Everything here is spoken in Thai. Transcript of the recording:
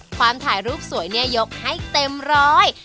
ถ่ายรูปสวยเนี่ยยกให้เต็มร้อย